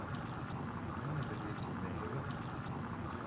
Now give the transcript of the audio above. Ниңә беҙгә килмәйһегеҙ?